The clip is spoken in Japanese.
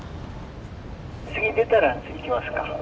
次出たら行きますか。